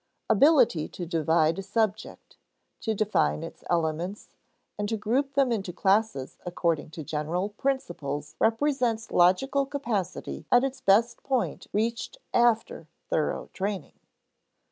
Ability to divide a subject, to define its elements, and to group them into classes according to general principles represents logical capacity at its best point reached after thorough training.